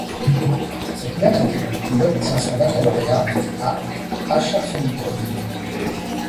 Cette même année, il obtient son baccalauréat à Aschaffenbourg.